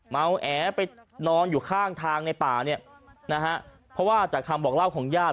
แอไปนอนอยู่ข้างทางในป่าเนี่ยนะฮะเพราะว่าจากคำบอกเล่าของญาติ